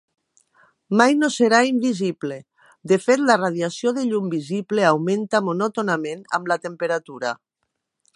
Mai no serà invisible; de fet, la radiació de llum visible augmenta monòtonament amb la temperatura.